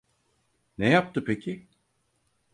Ne yaptı peki?